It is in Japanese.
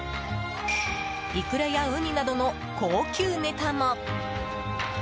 イクラやウニなどの高級ネタも！